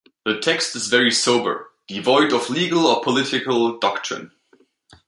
The text is very sober, devoid of legal or political doctrine.